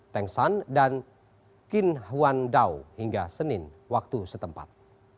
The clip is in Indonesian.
tengsan dan kinhuandao hingga senin waktu setempat